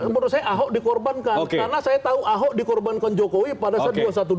menurut saya ahok dikorbankan karena saya tahu ahok dikorbankan jokowi pada saat dua ratus dua belas